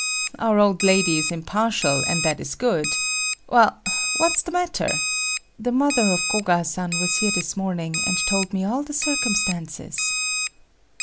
"Our old lady is impartial, and that is good. Well, what's the matter?" "The mother of Koga san was here this morning, and told me all the circumstances."